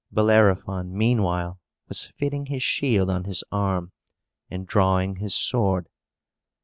Bellerophon, meanwhile, was fitting his shield on his arm, and drawing his sword.